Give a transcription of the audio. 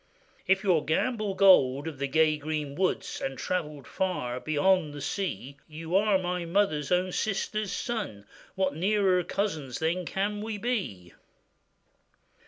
'If you are Gamble Gold of the gay green woods, And travellèd far beyond the sea, You are my mother's own sister's son; What nearer cousins then can we be?